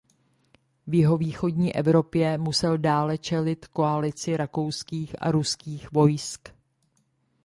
V jihovýchodní Evropě musel dále čelit koalici rakouských a ruských vojsk.